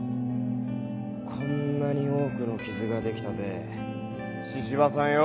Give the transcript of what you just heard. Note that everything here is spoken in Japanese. こんなに多くの傷ができたぜ神々さんよ。